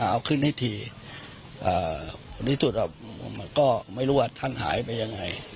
อันนี้ถุด็อเอิ่มเค้าว่าท่านหายไปยังไง